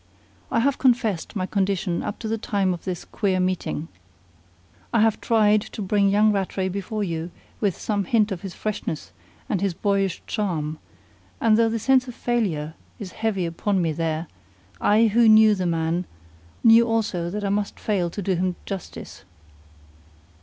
I have confessed my condition up to the time of this queer meeting. I have tried to bring young Rattray before you with some hint of his freshness and his boyish charm; and though the sense of failure is heavy upon me there, I who knew the man knew also that I must fail to do him justice.